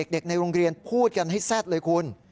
เด็กในโรงเรียนพูดกันให้แซ่ดเลยคุณ